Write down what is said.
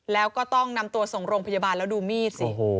แล้วก็ต้องนำตัวส่งโรงพยาบาลแล้วดูมีดสิ